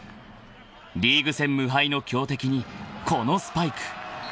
［リーグ戦無敗の強敵にこのスパイク］